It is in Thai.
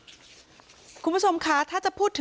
เป็นมีดปลายแหลมยาวประมาณ๑ฟุตนะฮะที่ใช้ก่อเหตุ